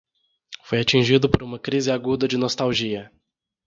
Foi atingido por uma crise aguda de nostalgia